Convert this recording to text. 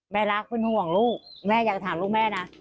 รักเป็นห่วงลูกแม่อยากถามลูกแม่นะ